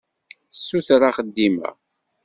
Tessuter axeddim-a.